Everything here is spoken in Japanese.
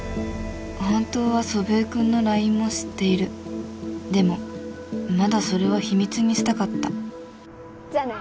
本当は祖父江君のＬＩＮＥも知っているでもまだそれは秘密にしたかったじゃあね